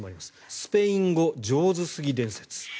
スペイン語上手すぎ伝説。